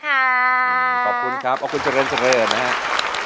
ขอบคุณครับขอบคุณเจริญเจริญนะครับ